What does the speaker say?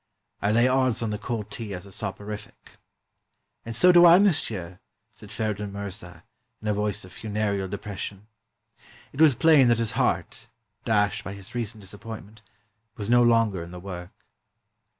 I lay odds on the 'cold tea' as a soporific." "And so do I, monsieur," said Feridun Mirza, in a voice of funereal depression. It was plain that his heart, dashed by his recent disappointment, was no longer in the work.